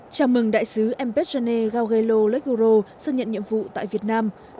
chào mừng đại sứ m p jane gauguelo legoro xác nhận nhiệm vụ tại việt nam